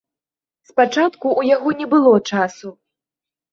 Спачатку ў яго не было часу.